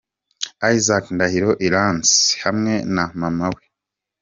Isaac Ndahiro Iranzi hamwe na mama we.